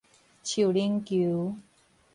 樹奶球